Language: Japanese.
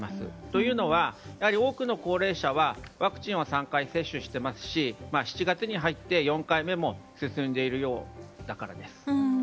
というのは多くの高齢者はワクチンを３回接種していますし、７月に入って４回目も進んでいるようだからです。